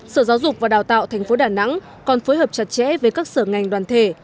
sở giáo dục và đào tạo tp đà nẵng còn phối hợp chặt chẽ với các sở ngành đoàn thể